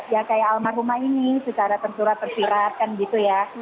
ya kayak almarhumah ini secara tersurat tersurat kan gitu ya